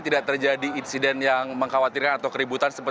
tidak terjadi insiden yang mengkhawatirkan atau keributan